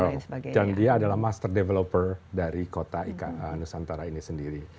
betul dan dia adalah master developer dari kota nusantara ini sendiri